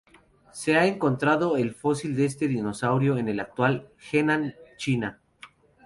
Se ha encontrado fósil de este dinosaurio en el actual Henan, China.